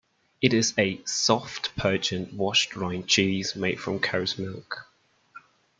It is a soft, pungent, washed rind cheese made from cow's milk.